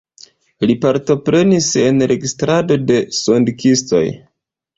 Li partoprenis en registrado de sondiskoj.